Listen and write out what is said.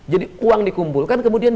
jadi uang dikumpulkan kemudian